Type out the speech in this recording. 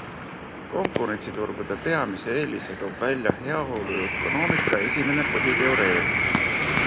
Konkurentsiturgude peamise eelise toob välja heaoluökonoomika esimene põhiteoreem.